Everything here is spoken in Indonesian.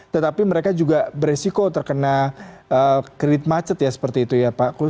tetapi mereka juga beresiko terkena kredit macet ya seperti itu ya pak